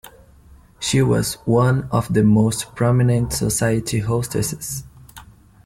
She was one of the most prominent society hostesses.